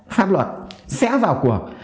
pháp luật sẽ vào cuộc